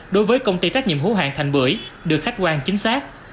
đối với công ty trách nhiệm hữu hạng thành bưởi được khách quan chính xác